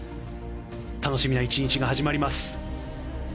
楽しみな１日が始まります。